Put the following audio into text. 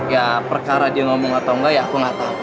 ya perkara dia ngomong atau enggak ya aku nggak tahu